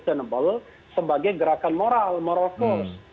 kita bisa berjaya sebagai gerakan moral moral force